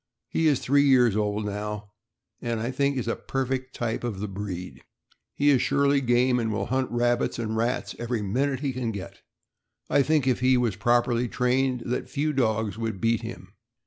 He is three years old now, aud I think is a perfect type of the breed. He is surely game, and will hunt rabbits and rats every minute he can get. I think if he was properly trained that few dogs would beat him.